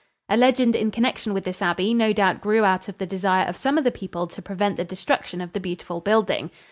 A legend in connection with this abbey no doubt grew out of the desire of some of the people to prevent the destruction of the beautiful building.